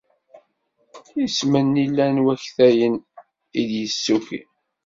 Isem-nni llan waktayen i d-yessuki.